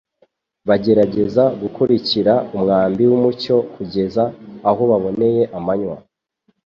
bagerageza gukurikira umwambi w’umucyo kugeza aho baboneye amanywa